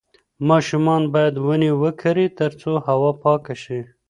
ماشومان باید ونې وکرې ترڅو هوا پاکه شي.